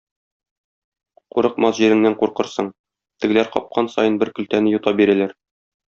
Курыкмас җиреңнән куркырсың: тегеләр капкан саен бер көлтәне йота бирәләр.